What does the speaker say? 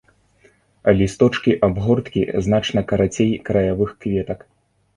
Лісточкі абгорткі значна карацей краявых кветак.